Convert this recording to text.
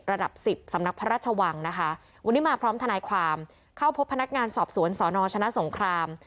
ระดับสิบสำนักพระราชวังนะคะวันนี้มาพร้อมทนายความเข้าพบพนักงานสอบสวนสนชนะสงคราม